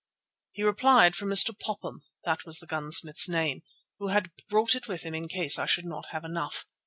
He replied, from Mr. Popham—that was the gunsmith's name—who had brought it with him in case I should not have enough.